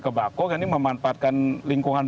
ke bako kan ini memanfaatkan lingkungan